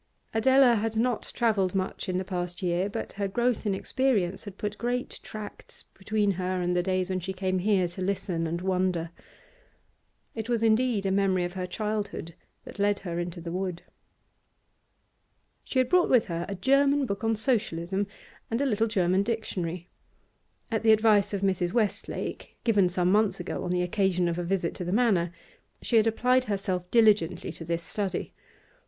Adela had not travelled much in the past year, but her growth in experience had put great tracts between her and the days when she came here to listen and wonder. It was indeed a memory of her childhood that led her into the wood. She had brought with her a German book on Socialism and a little German dictionary. At the advice of Mr. Westlake, given some months ago on the occasion of a visit to the Manor, she had applied herself diligently to this study.